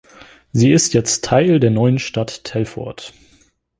Sie ist jetzt Teil der neuen Stadt Telford.